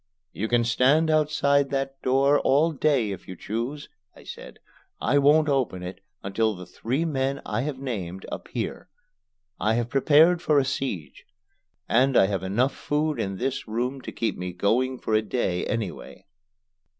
"You can stand outside that door all day if you choose," I said. "I won't open it until the three men I have named appear. I have prepared for a siege; and I have enough food in this room to keep me going for a day anyway."